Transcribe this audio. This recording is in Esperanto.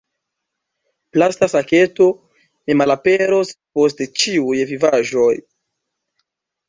Plasta saketo: "Mi malaperos post ĉiuj vivaĵoj!"